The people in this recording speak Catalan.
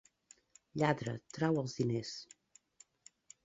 Lladre, trau els diners!